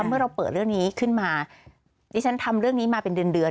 เมื่อเราเปิดเรื่องนี้ขึ้นมาดิฉันทำเรื่องนี้มาเป็นเดือน